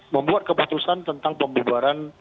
membuat keputusan tentang pembubaran